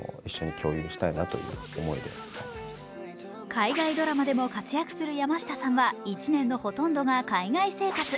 海外ドラマでも活躍する山下さんは、１年のほとんどが海外生活。